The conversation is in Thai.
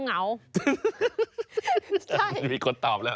นะมีคนตอบแล้ว